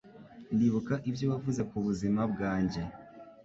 Ndibuka ibyo wavuze ku buzima bwanjye